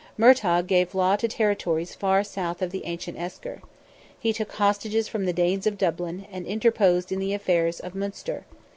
Murtogh gave law to territories far south of the ancient esker. He took hostages from the Danes of Dublin, and interposed in the affairs of Munster.